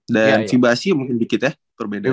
dan fiba asia mungkin dikit ya perbedaannya